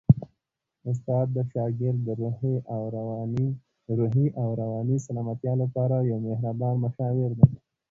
استاد د شاګرد د روحي او رواني سلامتیا لپاره یو مهربان مشاور دی.